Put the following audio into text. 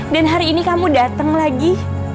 dan hari ini kamu dateng lagi